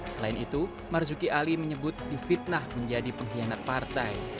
selain itu marzuki ali menyebut difitnah menjadi pengkhianat partai